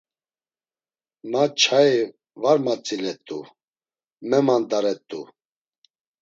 Ma nçai var matzilet̆u, memandaret̆u.